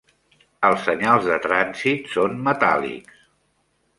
Els senyals de trànsit són metàl·lics.